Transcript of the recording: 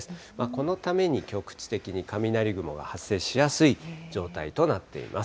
このために局地的に雷雲が発生しやすい状態となっています。